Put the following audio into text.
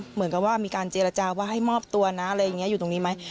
เหมือนกับว่ามีการเจรจาว่าให้มอบตัวนะอะไรอย่างนี้อยู่ตรงนี้ไหม